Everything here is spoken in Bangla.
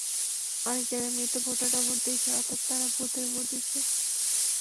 অনেক জায়গায় মৃত ভোটাররাও ভোট দিয়েছেন, অর্থাৎ তাঁরা ভূত হয়ে ভোট দিয়েছেন।